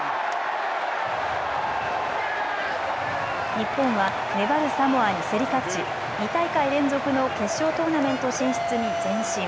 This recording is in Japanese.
日本は粘るサモアに競り勝ち２大会連続の決勝トーナメント進出に前進。